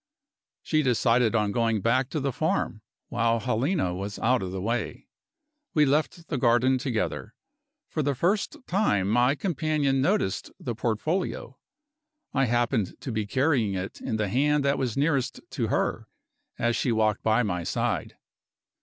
She decided on going back to the farm, while Helena was out of the way. We left the garden together. For the first time, my companion noticed the portfolio. I happened to be carrying it in the hand that was nearest to her, as she walked by my side.